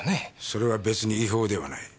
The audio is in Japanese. それは別に違法ではない。